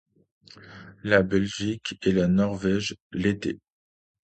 La Belgique et la Norvège, l’été.